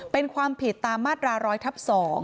เป็นความผิดตามมาตรา๑๐๐ทับ๒